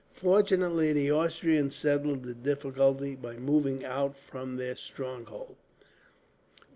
Fortunately the Austrians settled the difficulty by moving out from their stronghold.